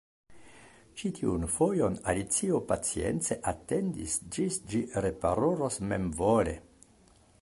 Ĉi tiun fojon Alicio pacience atendis ĝis ĝi reparolos memvole.